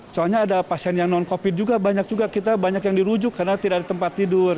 soalnya ada pasien yang non covid juga banyak juga kita banyak yang dirujuk karena tidak ada tempat tidur